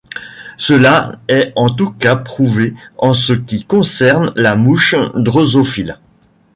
Cela est en tout cas prouvé en ce qui concerne la mouche drosophile.